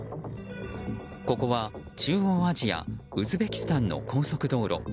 ここは中央アジアウズベキスタンの高速道路。